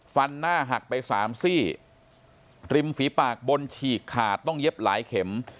หน้าหักไปสามซี่ริมฝีปากบนฉีกขาดต้องเย็บหลายเข็ม